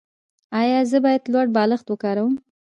ایا زه باید لوړ بالښت وکاروم؟